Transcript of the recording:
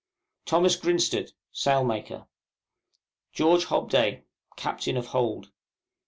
THOMAS GRINSTEAD, Sailmaker. GEORGE HOBDAY, Captain of Hold.